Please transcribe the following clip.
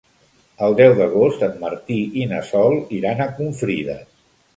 El deu d'agost en Martí i na Sol iran a Confrides.